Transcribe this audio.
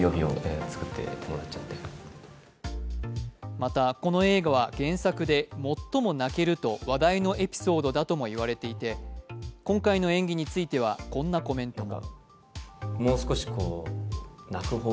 また、この映画は原作で最も泣けると話題のエピソードだともいわれていて、今回の演技についてはこんなコメントも。